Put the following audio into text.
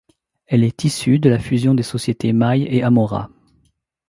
Elle est issue de la fusion des sociétés Maille et Amora.